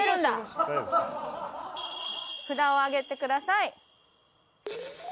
札を上げてください。